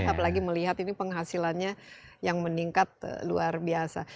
apalagi melihat ini penghasilannya yang meningkat luar biasa